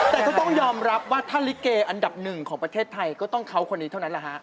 แต่ก็ต้องยอมรับว่าถ้าลิเกอันดับหนึ่งของประเทศไทยก็ต้องเขาคนนี้เท่านั้นแหละฮะ